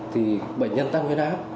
thì bệnh nhân tăng huyết áp